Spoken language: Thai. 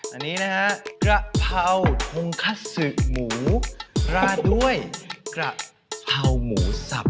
อันนี้นะฮะกระเพราทงคัสซึหมูราดด้วยกระเพราหมูสับ